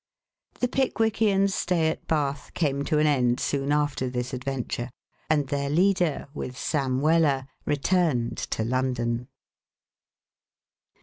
The Pickwickians' stay at Bath came to an end soon after this adventure, and their leader, with Sam Weller, returned to London.